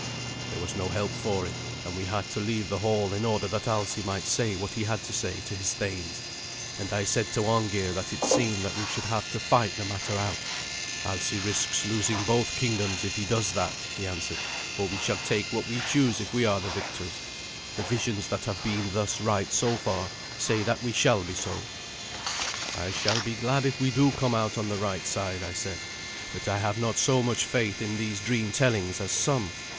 There was no help for it, and we had to leave the hall in order that Alsi might say what he had to say to his thanes. And I said to Arngeir that it seemed that we should have to fight the matter out. "Alsi risks losing both kingdoms if he does that," he answered, "for we shall take what we choose if we are the victors. The visions that have been thus right so far say that we shall be so." "I shall be glad if we do come out on the right side," I said; "but I have not so much faith in these dream tellings as some.